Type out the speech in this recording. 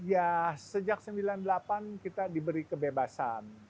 ya sejak sembilan puluh delapan kita diberi kebebasan